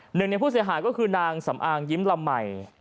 หนึ่งในผู้เสียหายก็คือนางสำอางยิ้มละใหม่